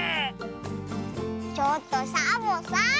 ちょっとサボさん。